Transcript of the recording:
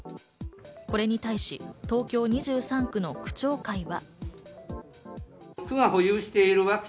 これに対し、東京２３区の区長会は。